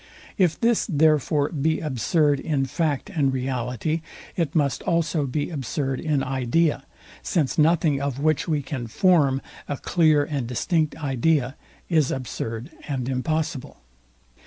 If this therefore be absurd in fact and reality, it must also be absurd in idea; since nothing of which we can form a clear and distinct idea is absurd and impossible.